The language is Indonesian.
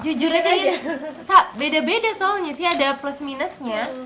jujur aja beda beda soalnya sih ada plus minusnya